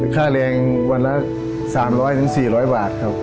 ค่าแรงวันละ๓๐๐๔๐๐บาทครับ